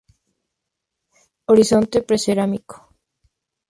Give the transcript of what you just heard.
I.- Horizonte precerámico.